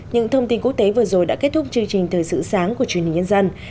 những thông tin quốc tế vừa rồi đã kết thúc chương trình thời sự sáng của truyền hình nhân dân